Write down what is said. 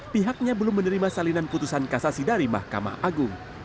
pihaknya belum menerima salinan putusan kasasi dari mahkamah agung